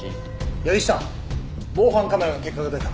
八木下防犯カメラの結果が出た。